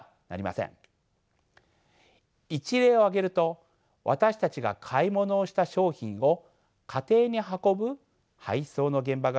一例を挙げると私たちが買い物をした商品を家庭に運ぶ配送の現場があります。